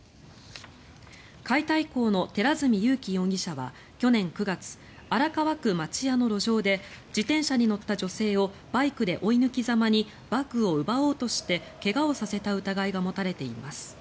解体工の寺墨優紀容疑者は去年９月荒川区町屋の路上で自転車に乗った女性をバイクで追い抜きざまにバッグを奪おうとして怪我をさせた疑いが持たれています。